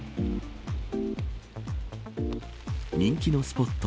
人気のスポット